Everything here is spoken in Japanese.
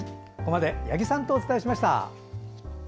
ここまで八木さんとお伝えしました。